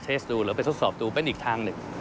ดูหรือไปทดสอบดูเป็นอีกทางหนึ่ง